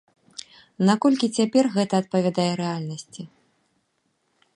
Наколькі цяпер гэта адпавядае рэальнасці?